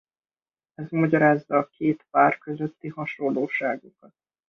Ez magyarázza a két vár közötti hasonlóságokat.